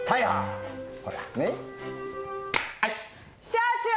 社長！